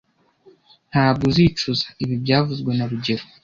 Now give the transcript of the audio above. Ntabwo uzicuza ibi byavuzwe na rugero